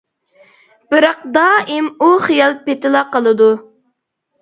بىراق، دائىم ئۇ خىيال پېتىلا قالىدۇ.